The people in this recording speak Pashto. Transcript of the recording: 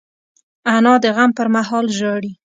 انا د غم پر مهال ژاړي